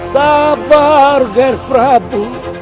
sampura sudger prabu